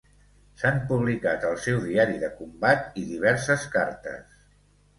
S'han publicat el seu diari de combat i diverses cartes.